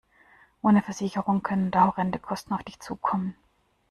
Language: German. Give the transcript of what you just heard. Ohne Versicherung können da horrende Kosten auf dich zukommen.